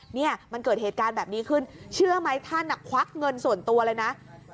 เนี่ยมันเกิดเหตุการณ์แบบนี้ขึ้นเชื่อไหมท่านควักเงินส่วนตัวเลยนะ